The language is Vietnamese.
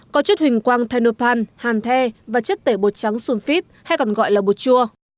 có chất huỳnh quang thanopan hàn the và chất tẩy bột trắng sunfit hay còn gọi là bột chua